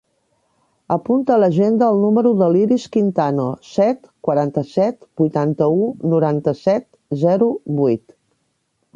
Apunta a l'agenda el número de l'Iris Quintano: set, quaranta-set, vuitanta-u, noranta-set, zero, vuit.